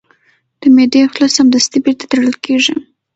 د معدې خوله سمدستي بیرته تړل کېږي.